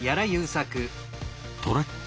トラック